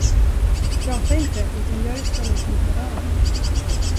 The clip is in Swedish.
Prata inte, utan gör istället likadant!